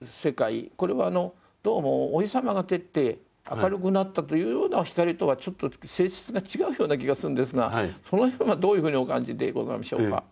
これはどうもお日様が照って明るくなったというような光とはちょっと性質が違うような気がするんですがその辺はどういうふうにお感じでございましょうか？